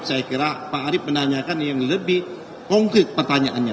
saya kira pak arief menanyakan yang lebih konkret pertanyaannya